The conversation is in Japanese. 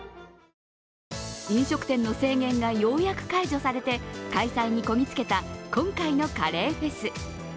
飲食店の制限がようやく解除されて開催にこぎつけた今回のカレーフェス。